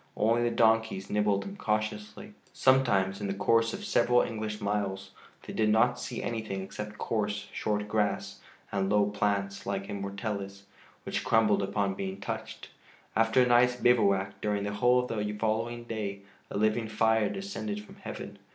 Only the donkey nibbled them cautiously. Sometimes in the course of several English miles they did not see anything except coarse, short grass and low plants, like immortelles, which crumbled upon being touched. After a night's bivouac, during the whole of the following day a living fire descended from heaven.